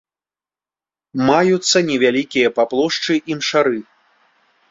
Маюцца невялікія па плошчы імшары.